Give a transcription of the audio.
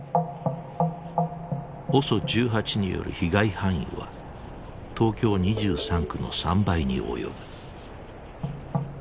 ＯＳＯ１８による被害範囲は東京２３区の３倍に及ぶ。